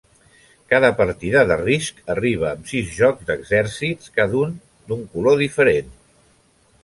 Cada partida de Risc arriba amb sis jocs d'exèrcits, cada un d'un color diferent.